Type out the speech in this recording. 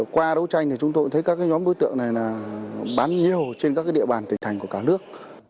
qua đấu tranh thì chúng tôi thấy các nhóm đối tượng này bán nhiều trên các địa bàn tỉnh thành của cả nước